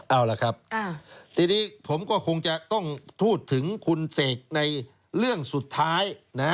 เอาล่ะครับทีนี้ผมก็คงจะต้องพูดถึงคุณเสกในเรื่องสุดท้าย